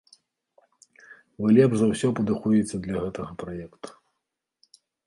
Вы лепш за ўсё падыходзіце для гэтага праекту.